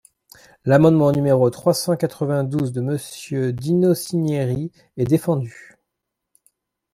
L’amendement numéro trois cent quatre-vingt-douze de Monsieur Dino Cinieri est défendu.